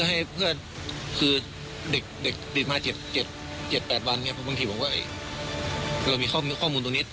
ใช่เพื่อให้เด็กดีดมา๗๘วันบางทีผมว่าเรามีข้อมูลตรงนี้